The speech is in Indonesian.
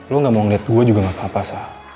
lo gak mau ngeliat gue juga gak apa apa